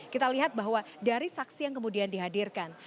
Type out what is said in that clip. kita lihat bahwa dari saksi yang kemudian dihadirkan